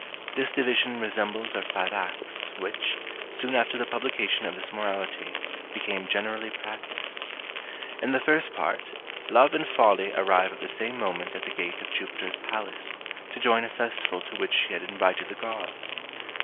This division resembles our five acts, which, soon after the publication of this Morality, became generally practised. In the first part, Love and Folly arrive at the same moment at the gate of Jupiter's palace, to join a festival to which he had invited the gods.